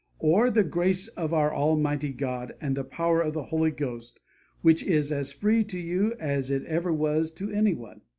or the grace of our Almighty God and the power of the Holy Ghost, which is as free to you as it ever was to any one?